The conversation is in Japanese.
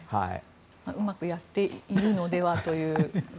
うまくやっているのではという。